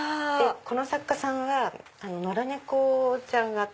この作家さんは野良猫ちゃん。